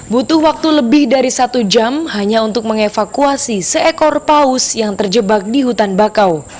butuh waktu lebih dari satu jam hanya untuk mengevakuasi seekor paus yang terjebak di hutan bakau